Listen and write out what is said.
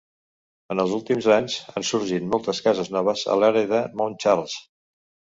En els últims anys, han sorgit moltes cases noves a l'àrea de Mountcharles.